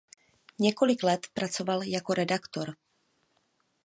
Několik let pracoval jako redaktor.